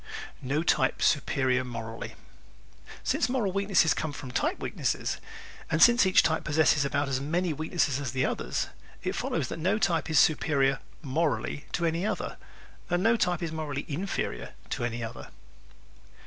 No Type Superior Morally ¶ Since moral weakness comes from type weakness and since each type possesses about as many weaknesses as the others, it follows that no type is superior "morally" to any other and no type is morally inferior to any other.